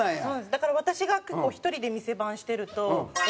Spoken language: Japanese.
だから私が結構１人で店番してるとお客さんが。